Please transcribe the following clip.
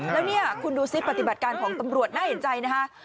แล้วเนี่ยคุณดูซิปฏิบัติการของตำรวจน่าเห็นใจนะคะ